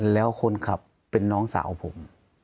แล้วคนขับเป็นน้องสาวผม